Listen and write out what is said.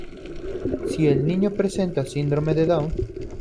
Si el niño presenta síndrome de Down.